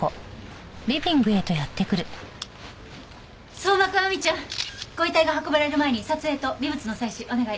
相馬くん亜美ちゃんご遺体が運ばれる前に撮影と微物の採取お願い。